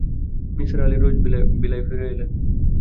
নিসার আলি রোজ ভিলায় ফিরে এলেন।